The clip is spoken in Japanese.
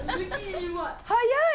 早い！